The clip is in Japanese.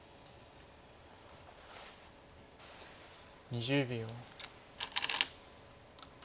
２０秒。